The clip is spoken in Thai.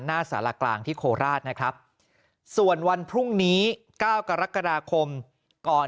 หน้าสารกลางที่โคราชนะครับส่วนวันพรุ่งนี้๙กรกฎาคมก่อน